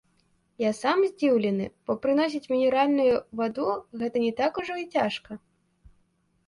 Я сам здзіўлены, бо прыносіць мінеральную ваду гэта не так ужо і цяжка.